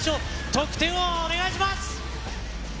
得点をお願いします。